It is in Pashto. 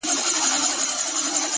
• په حيرت حيرت يې وكتل مېزونه,